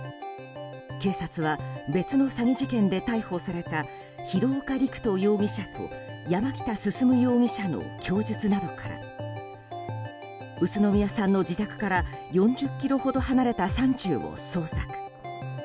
警察は別の詐欺事件で逮捕された広岡陸斗容疑者と山北進容疑者の供述から宇都宮さんの自宅から４０ｋｍほど離れた山中を捜索。